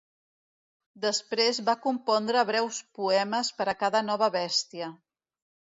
Després va compondre breus poemes per a cada nova bèstia.